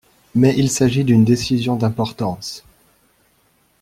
Mais il s'agit d'une décision d’importance.